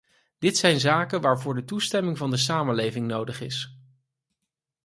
Dit zijn zaken waarvoor de toestemming van de samenleving nodig is.